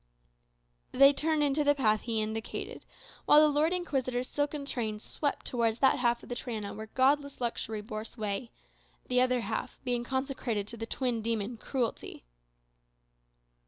They turned into the path he indicated, while the Lord Inquisitor's silken train swept towards that half of the Triana where godless luxury bore sway; the other half being consecrated to the twin demon, cruelty.